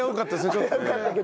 ちょっとね。